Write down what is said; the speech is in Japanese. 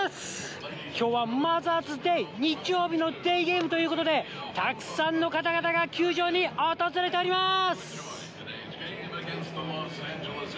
きょうはマザーズデー、日曜日のデーゲームということで、たくさんの方々が球場に訪れております。